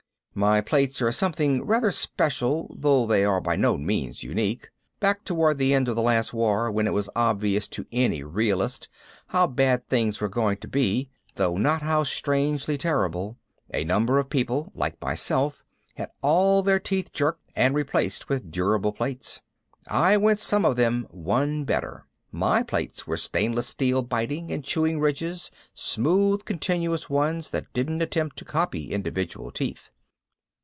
My plates are something rather special though they are by no means unique. Back toward the end of the Last War, when it was obvious to any realist how bad things were going to be, though not how strangely terrible, a number of people, like myself, had all their teeth jerked and replaced with durable plates. I went some of them one better. My plates were stainless steel biting and chewing ridges, smooth continuous ones that didn't attempt to copy individual teeth.